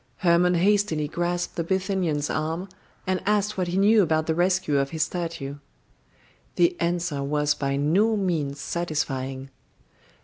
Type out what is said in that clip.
Hermon hastily grasped the Bithynian's arm, and asked what he knew about the rescue of his statue. The answer was by no means satisfying.